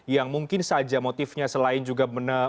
yang mungkin saja motifnya selain juga